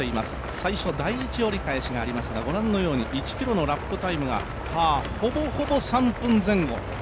最初、第１折り返しがありますが、ご覧のように１ｋｍのラップタイムがほぼほぼ３分前後。